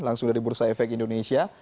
langsung dari bursa efek indonesia